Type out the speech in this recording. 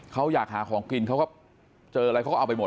เขาอยากหาของกินเขาก็เจออะไรเขาก็เอาไปหมด